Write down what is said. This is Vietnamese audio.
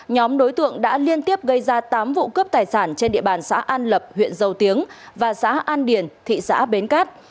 nhóm đối tượng đã liên tiếp gây ra tám vụ cướp tài sản trên địa bàn xã an lập huyện dầu tiếng và xã an điền thị xã bến cát